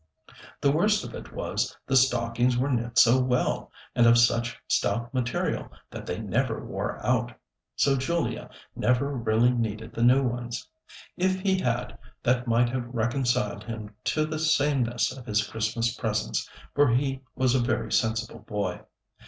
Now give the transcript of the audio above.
The worst of it was, the stockings were knit so well, and of such stout material, that they never wore out, so Julia never really needed the new ones; if he had, that might have reconciled him to the sameness of his Christmas presents, for he was a very sensible boy.